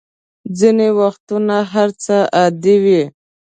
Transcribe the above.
ځینې وختونه هر څه عادي وي.